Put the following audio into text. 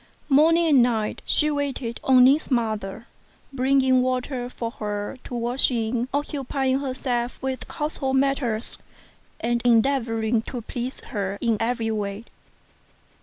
Morning and 1 night she waited on Ning's mother, bringing water for her to wash in, occupying herself with household matters, and endeavouring to please her in every way.